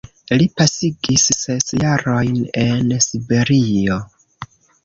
Li pasigis ses jarojn en Siberio.